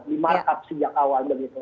dimarkup sejak awal